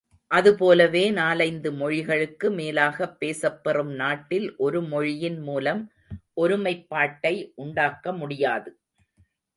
அதுபோலவே நாலைந்து மொழிகளுக்கு மேலாகப் பேசப்பெறும் நாட்டில் ஒரு மொழியின் மூலம் ஒருமைப்பாட்டை உண்டாக்க முடியாது.